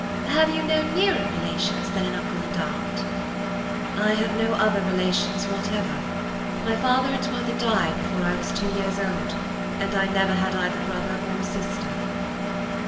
Have you no nearer relations than an uncle and aunt?" "I have no other relations whatever; my father and mother died before I was two years old, and I never had either brother or sister."